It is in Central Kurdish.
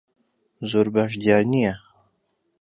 زۆر باش دیار نییە.